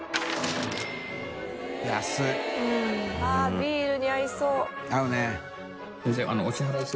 ビールに合いそう。